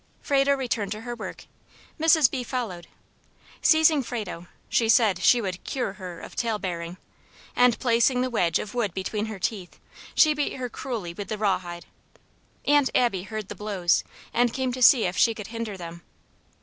Frado returned to her work. Mrs. B. followed. Seizing Frado, she said she would "cure her of tale bearing," and, placing the wedge of wood between her teeth, she beat her cruelly with the raw hide. Aunt Abby heard the blows, and came to see if she could hinder them.